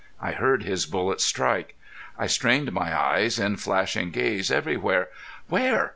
I heard his bullets strike. I strained my eyes in flashing gaze everywhere. "Where?